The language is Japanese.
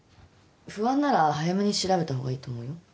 不安なら早めに調べた方がいいと思うよ。